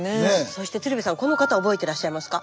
そして鶴瓶さんこの方覚えてらっしゃいますか？